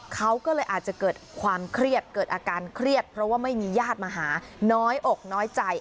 เขาก็เลยอาจจะเกิดความเครียดเกิดอาการเครียดเพราะว่าไม่มีญาติมาหาน้อยอกน้อยใจ